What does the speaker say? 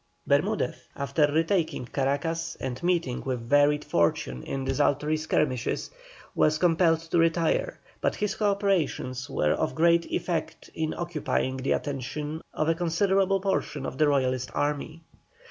Bermudez after retaking Caracas and meeting with varied fortune in desultory skirmishes, was compelled to retire, but his operations were of great effect in occupying the attention of a considerable portion of the Royalist army.